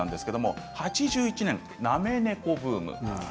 ８０年代、なめ猫ブーム。